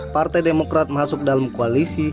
partai demokrat masuk dalam koalisi